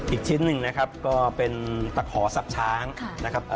อีกชิ้นหนึ่งนะครับก็เป็นตะขอสับช้างนะครับ